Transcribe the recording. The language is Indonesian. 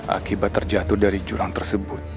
akibat terjatuh dari jurang tersebut